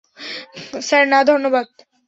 Sir, না ধন্যবাদ।